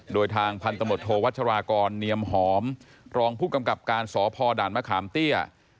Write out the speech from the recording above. โดยทางพันธมตโทวัชรากรเนียมหอมรองผู้กำกับการสพด่านมะขามเตี้ย